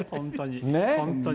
本当に。